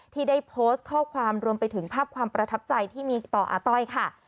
ที่ได้โพสต์ข้อความรวมไปถึงภาพความประทับใจที่มีต่ออาต้อยค่ะ